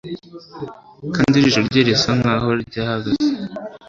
kandi ijisho rye risa nkaho ryahagaze